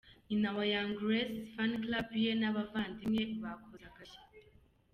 Nyina wa Young Grace, Fan Club ye n’abavandimwe bakoze agashya :.